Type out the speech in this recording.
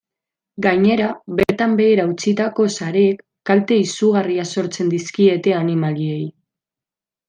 Gainera, bertan behera utzitako sareek kalte izugarriak sortzen dizkiete animaliei.